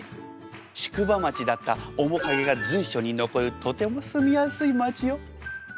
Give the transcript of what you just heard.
宿場町だった面影が随所に残るとても住みやすい街よ。